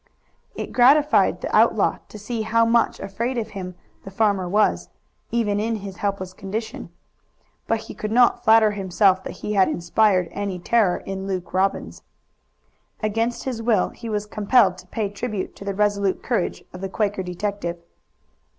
It gratified the outlaw to see how much afraid of him the farmer was, even in his helpless condition. But he could not flatter himself that he had inspired any terror in Luke Robbins. Against his will he was compelled to pay tribute to the resolute courage of the Quaker detective.